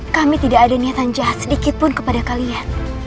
kami tidak ada niatan jahat sedikit pun kepada kalian